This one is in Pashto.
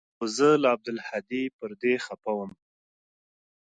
خو زه له عبدالهادي پر دې خپه وم.